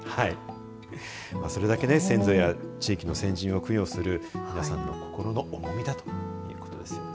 それだけ先祖や地域の先人を供養する皆さんの心の重みだということですよね。